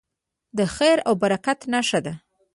د خیر او برکت نښه ده.